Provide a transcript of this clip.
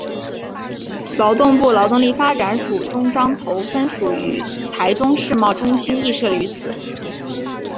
劳动部劳动力发展署中彰投分署与台中世贸中心亦设立于此。